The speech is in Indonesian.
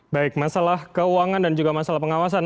baik masalah keuangan dan juga masalah pengawasan